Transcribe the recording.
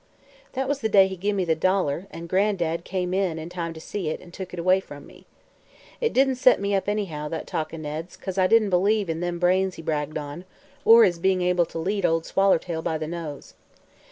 "That was the day he gimme the dollar, an' Gran'dad come in in time to see it, an' took it away from me. It didn't set me up any, that talk o' Ned's, 'cause I didn't believe in them brains he bragged on, or his bein' able to lead Ol' Swallertail by the nose.